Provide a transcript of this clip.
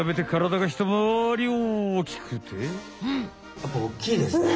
やっぱおっきいですね。